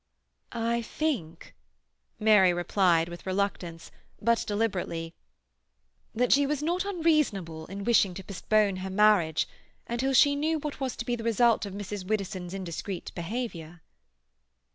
"I think," Mary replied, with reluctance, but deliberately, "that she was not unreasonable in wishing to postpone her marriage until she knew what was to be the result of Mrs. Widdowson's indiscreet behaviour."